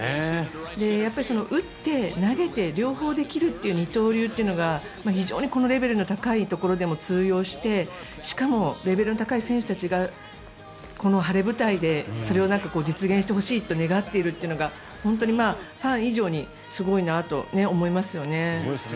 やっぱり打って投げて両方できる二刀流というのが非常にこのレベルの高いところでも通用してしかも、レベルの高い選手たちがこの晴れ舞台でそれを実現してほしいと願っているというのがファン以上にすごいなと思いますよね。